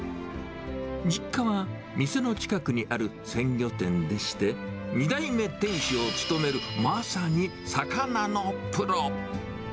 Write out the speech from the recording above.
実家は店の近くにある鮮魚店でして、２代目店主を務めるまさに魚のプロ。